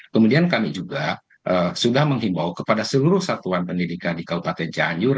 kemudian kami juga sudah menghimbau kepada seluruh satuan pendidikan di kabupaten cianjur